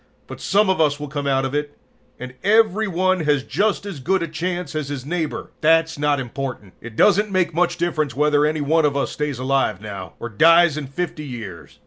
But some of us will come out of it, and every one has just as good a chance as his neighbor. "That's not important. It doesn't make much difference whether any one of us stays alive now, or dies in 50 years.